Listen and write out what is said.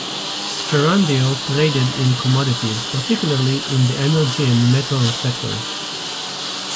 Sperandeo traded in commodities, particularly in the energy and metals sectors.